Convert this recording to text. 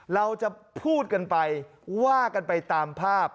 เราจะพูดกันไปว่ากันไปตามภาพ